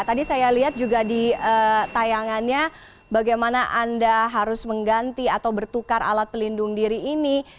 tadi saya lihat juga di tayangannya bagaimana anda harus mengganti atau bertukar alat pelindung diri ini